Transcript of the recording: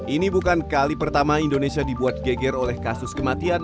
ini bukan kali pertama indonesia dibuat geger oleh kasus kematian